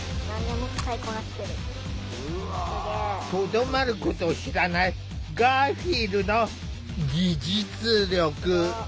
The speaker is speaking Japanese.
とどまることを知らないガーフィールの技術力。